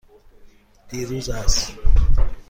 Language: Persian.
دیروز عصر.